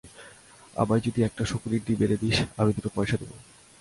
আমায় যদি একটা শকুনির ডিম এনে দিস আমি দুটো পয়সা দেবো।